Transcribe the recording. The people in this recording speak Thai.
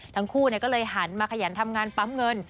ทั้งคู่ก็เลยหันมาขยันทำงานปั๊มเงิน